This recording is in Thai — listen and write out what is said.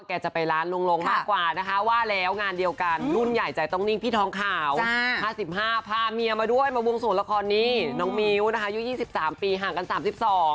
แกจะไปร้านลงมากกว่านะคะว่าแล้วงานเดียวกันรุ่นใหญ่ใจต้องนิ่งพี่ท้องข่าว๕๕พาเมียมาด้วยมาวงศูนย์ละครนี้น้องมิวนะคะยุ่ง๒๓ปีห่างกัน๓๒